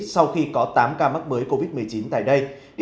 sau khi có tám ca mắc mới covid một mươi chín tại đây